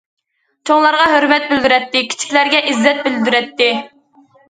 چوڭلارغا ھۆرمەت بىلدۈرەتتى، كىچىكلەرگە ئىززەت بىلدۈرەتتى.